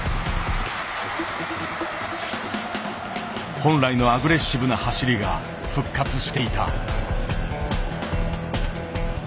本来のアグレッシブな走りが復活していた。